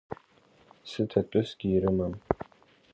Сыҭатәысгьы ирымам.